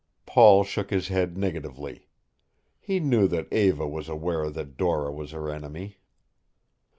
Paul shook his head negatively. He knew that Eva was aware that Dora was her enemy.